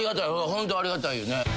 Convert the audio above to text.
ホントありがたいよね。